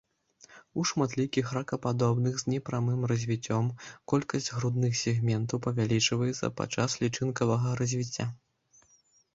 У шматлікіх ракападобных з непрамым развіццём колькасць грудных сегментаў павялічваецца падчас лічынкавага развіцця.